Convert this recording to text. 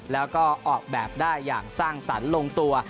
แล้วก็ออกแบบได้อย่างสร้างสรรค์ลงตัว